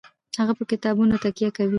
هغه په کتابونو تکیه کوي.